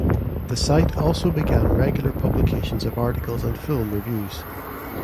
The site also began regular publications of articles and film reviews.